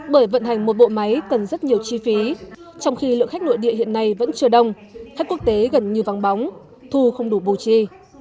bởi vận hành một bộ máy cần rất nhiều chi phí trong khi lượng khách nội địa hiện nay vẫn chưa đông khách quốc tế gần như vắng bóng thu không đủ bù chi